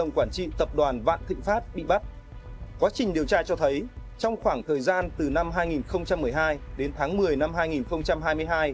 quá trình điều tra cho thấy trong khoảng thời gian từ năm hai nghìn một mươi hai đến tháng một mươi năm hai nghìn hai mươi hai